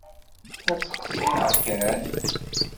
La ttqeṣṣireɣ kan.